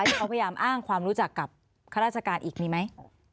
ที่เขาพยายามอ้างความรู้จักกับข้าราชการอีกมีไหม